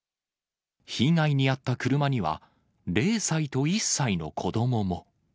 被害に遭った車には、０歳と１歳の子どもも。